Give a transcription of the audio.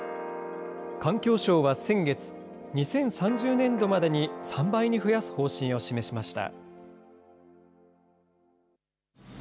環境省は先月、２０３０年度までに３倍に増やす方針を示しました。